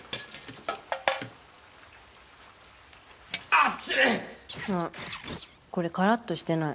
あっこれカラッとしてない。